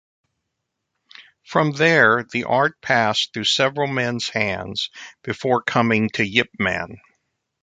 From there, the art passed through several men's hands before coming to Yip Man.